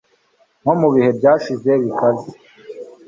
Nko mu bihe byashize bikaze